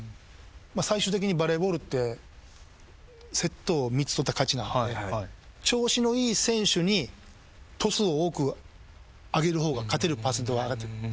最終的にバレーボールってセットを３つ取ったら勝ちなので調子のいい選手にトスを多く上げる方が勝てるパーセントが上がってくる。